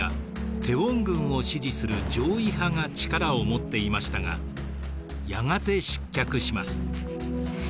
大院君を支持する攘夷派が力を持っていましたがやがて失脚します。